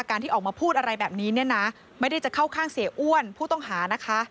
ที่ออกมาพูดอะไรแบบนี้เนี่ยนะไม่ได้จะเข้าข้างเสียอ้วนผู้ต้องหานะคะ